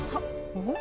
おっ！